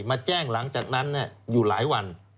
มาแจ้งหลังจากนั้นอยู่หลายวัน